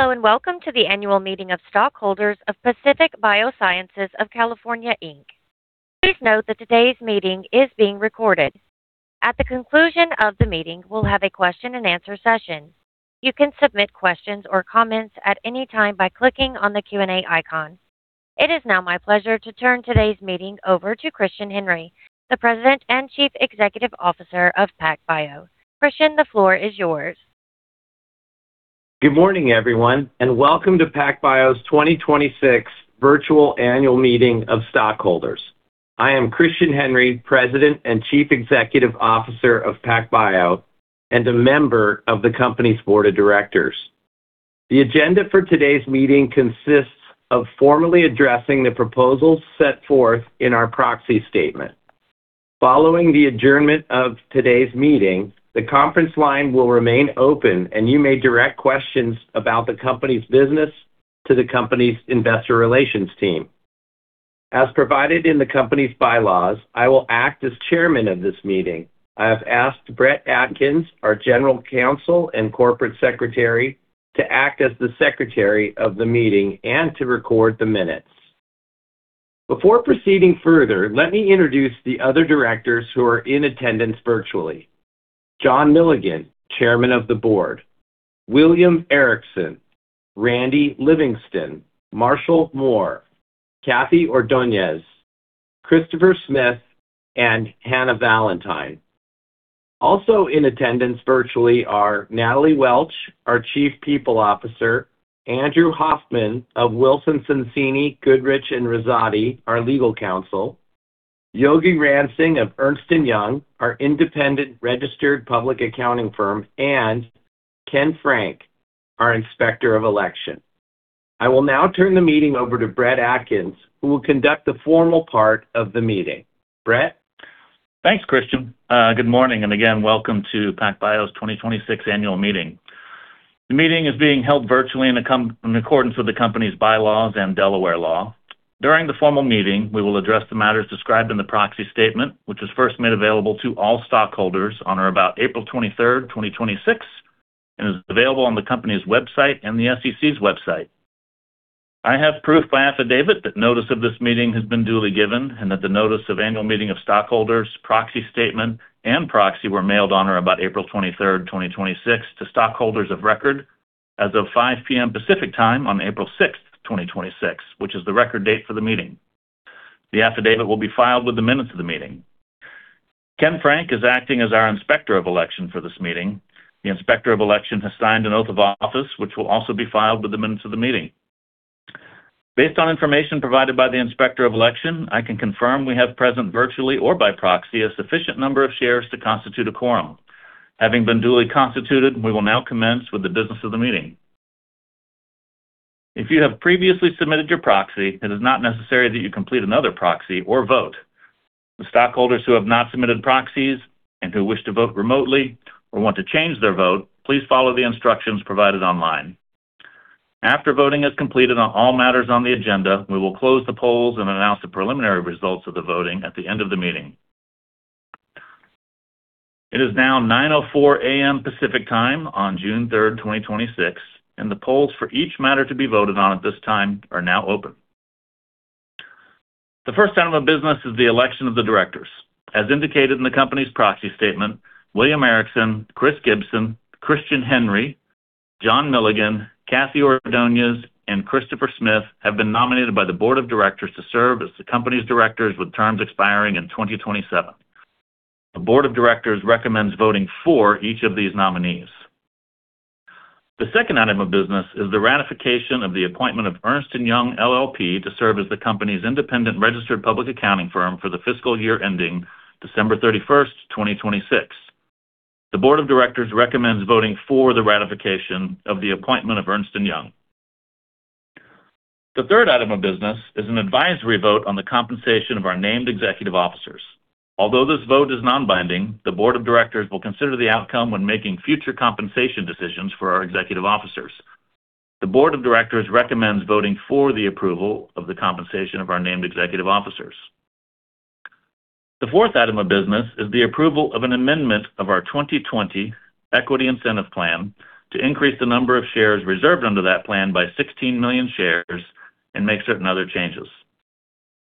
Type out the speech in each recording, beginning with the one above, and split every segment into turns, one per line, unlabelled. Hello, and welcome to the annual meeting of stockholders of Pacific Biosciences of California, Inc. Please note that today's meeting is being recorded. At the conclusion of the meeting, we'll have a question and answer session. You can submit questions or comments at any time by clicking on the Q&A icon. It is now my pleasure to turn today's meeting over to Christian Henry, the President and Chief Executive Officer of PacBio. Christian, the floor is yours.
Good morning, everyone. Welcome to PacBio's 2026 Virtual Annual Meeting of Stockholders. I am Christian Henry, President and Chief Executive Officer of PacBio and a member of the company's board of directors. The agenda for today's meeting consists of formally addressing the proposals set forth in our proxy statement. Following the adjournment of today's meeting, the conference line will remain open, and you may direct questions about the company's business to the company's investor relations team. As provided in the company's bylaws, I will act as chairman of this meeting. I have asked Brett Atkins, our General Counsel and Corporate Secretary, to act as the secretary of the meeting and to record the minutes. Before proceeding further, let me introduce the other directors who are in attendance virtually. John Milligan, Chairman of the Board. William Ericson, Randy Livingston, Marshall Mohr, Kathy Ordoñez, Christopher Smith, and Hannah Valantine. Also in attendance virtually are Natalie Welch, our Chief People Officer, Andrew Hoffman of Wilson Sonsini Goodrich & Rosati, our legal counsel, Yogi Ramsing of Ernst & Young, our independent registered public accounting firm, and Ken Frank, our Inspector of Election. I will now turn the meeting over to Brett Atkins, who will conduct the formal part of the meeting. Brett?
Thanks, Christian. Good morning, and again, welcome to PacBio's 2026 Annual Meeting. The meeting is being held virtually in accordance with the company's bylaws and Delaware law. During the formal meeting, we will address the matters described in the proxy statement, which was first made available to all stockholders on or about April 23rd, 2026, and is available on the company's website and the SEC's website. I have proof by affidavit that notice of this meeting has been duly given and that the notice of annual meeting of stockholders, proxy statement, and proxy were mailed on or about April 23rd, 2026 to stockholders of record as of 5:00 P.M. Pacific Time on April 6th, 2026, which is the record date for the meeting. The affidavit will be filed with the minutes of the meeting. Ken Frank is acting as our Inspector of Election for this meeting. The Inspector of Election has signed an oath of office, which will also be filed with the minutes of the meeting. Based on information provided by the Inspector of Election, I can confirm we have present virtually or by proxy a sufficient number of shares to constitute a quorum. Having been duly constituted, we will now commence with the business of the meeting. If you have previously submitted your proxy, it is not necessary that you complete another proxy or vote. The stockholders who have not submitted proxies and who wish to vote remotely or want to change their vote, please follow the instructions provided online. After voting is completed on all matters on the agenda, we will close the polls and announce the preliminary results of the voting at the end of the meeting. It is now 9:04 A.M. Pacific Time on June 3rd, 2026, and the polls for each matter to be voted on at this time are now open. The first item of business is the election of the directors. As indicated in the company's proxy statement, William Ericson, Chris Gibson, Christian Henry, John Milligan, Kathy Ordoñez, and Christopher Smith have been nominated by the board of directors to serve as the company's directors with terms expiring in 2027. The board of directors recommends voting for each of these nominees. The second item of business is the ratification of the appointment of Ernst & Young LLP to serve as the company's independent registered public accounting firm for the fiscal year ending December 31st, 2026. The board of directors recommends voting for the ratification of the appointment of Ernst & Young. The third item of business is an advisory vote on the compensation of our named executive officers. Although this vote is non-binding, the board of directors will consider the outcome when making future compensation decisions for our executive officers. The board of directors recommends voting for the approval of the compensation of our named executive officers. The fourth item of business is the approval of an amendment of our 2020 Equity Incentive Plan to increase the number of shares reserved under that plan by 16 million shares and make certain other changes.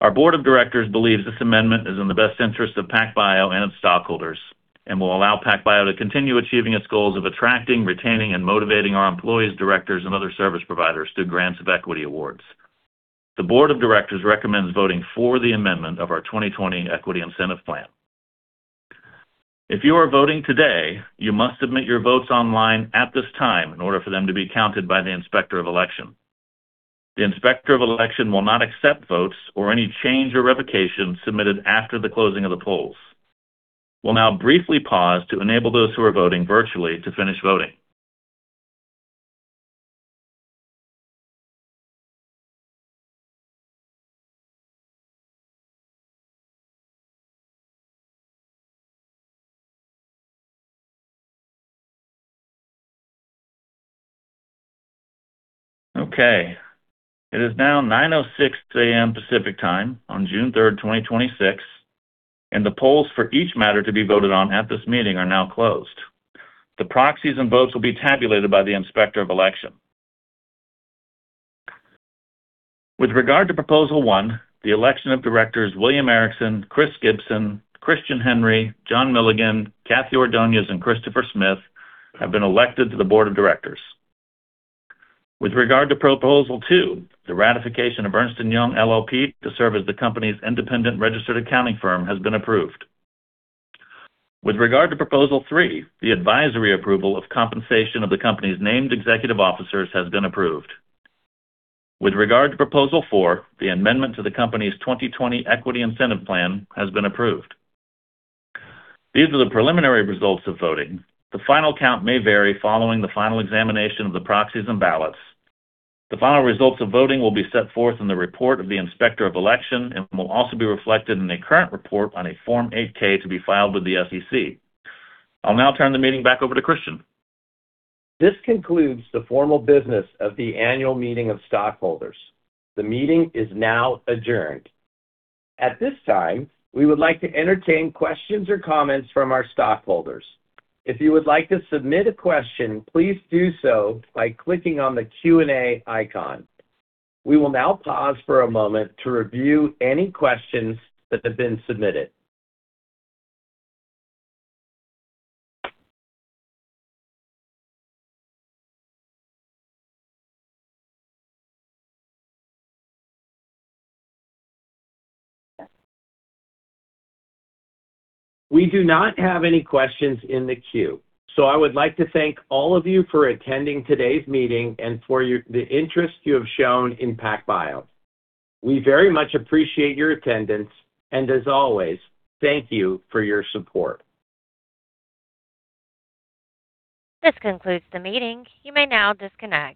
Our board of directors believes this amendment is in the best interest of PacBio and its stockholders and will allow PacBio to continue achieving its goals of attracting, retaining, and motivating our employees, directors, and other service providers through grants of equity awards. The board of directors recommends voting for the amendment of our 2020 Equity Incentive Plan. If you are voting today, you must submit your votes online at this time in order for them to be counted by the Inspector of Election. The Inspector of Election will not accept votes or any change or revocation submitted after the closing of the polls. We'll now briefly pause to enable those who are voting virtually to finish voting. Okay. It is now 9:06 A.M. Pacific Time on June 3rd, 2026. The polls for each matter to be voted on at this meeting are now closed. The proxies and votes will be tabulated by the Inspector of Election. With regard to Proposal One, the election of directors William Erickson, Chris Gibson, Christian Henry, John Milligan, Kathy Ordoñez, and Christopher Smith have been elected to the board of directors. With regard to Proposal Two, the ratification of Ernst & Young LLP to serve as the company's independent registered accounting firm has been approved. With regard to Proposal Three, the advisory approval of compensation of the company's named executive officers has been approved. With regard to Proposal Four, the amendment to the company's 2020 Equity Incentive Plan has been approved. These are the preliminary results of voting. The final count may vary following the final examination of the proxies and ballots. The final results of voting will be set forth in the report of the Inspector of Election and will also be reflected in a current report on a Form 8-K to be filed with the SEC. I'll now turn the meeting back over to Christian.
This concludes the formal business of the annual meeting of stockholders. The meeting is now adjourned. At this time, we would like to entertain questions or comments from our stockholders. If you would like to submit a question, please do so by clicking on the Q&A icon. We will now pause for a moment to review any questions that have been submitted. We do not have any questions in the queue. I would like to thank all of you for attending today's meeting and for the interest you have shown in PacBio. We very much appreciate your attendance, and as always, thank you for your support.
This concludes the meeting. You may now disconnect.